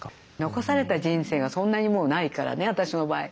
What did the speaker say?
残された人生がそんなにもうないからね私の場合。